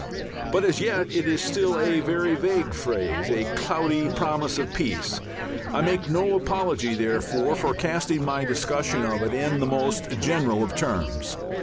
But as yet it is still a very vague phrase, a cloudy promise of peace. I make no apology therefore, for casting my discussion of it in the most general terms.